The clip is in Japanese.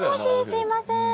すいません